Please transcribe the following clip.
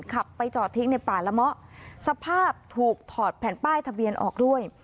ขับไปจอดทิ้งในป่าละเมาะสภาพถูกถอดแผ่นป้ายทะเบียนออกด้วย